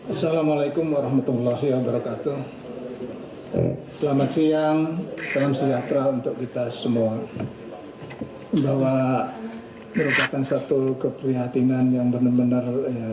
assalamu'alaikum warahmatullahi wabarakatuh